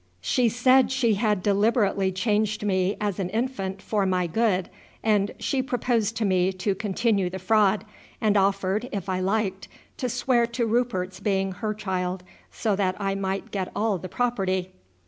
"She said she had deliberately changed me as an infant for my good, and she proposed to me to continue the fraud, and offered, if I liked, to swear to Rupert's being her child, so that I might get all the property."